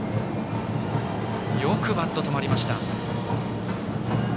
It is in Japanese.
よくバット止まりました。